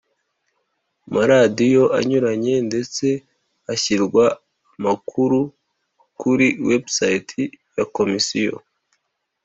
maradiyo anyuranye ndetse hashyirwa amakuru kuri website ya Komisiyo